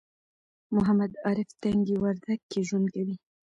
محمد عارف تنگي وردک کې ژوند کوي